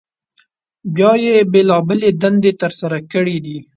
بیا یې بېلابېلې دندې تر سره کړي دي.